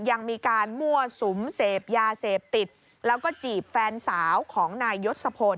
ยังมีการมั่วสุมเสพยาเสพติดแล้วก็จีบแฟนสาวของนายยศพล